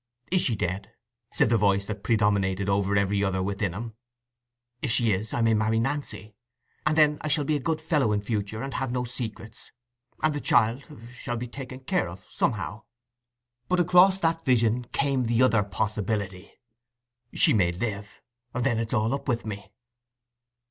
"Is she dead?" said the voice that predominated over every other within him. "If she is, I may marry Nancy; and then I shall be a good fellow in future, and have no secrets, and the child—shall be taken care of somehow." But across that vision came the other possibility—"She may live, and then it's all up with me."